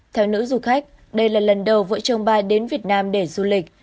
theo nữ du khách đây là lần đầu vợ chồng bà đến việt nam để du lịch